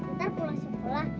ntar pulang sekolah